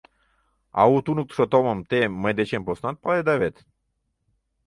— А у туныктышо толмым те мый дечем поснат паледа вет.